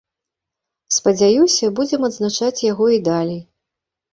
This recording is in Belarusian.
Спадзяюся, будзем адзначаць яго і далей.